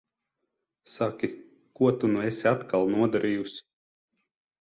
Saki, ko tu nu esi atkal nodarījusi?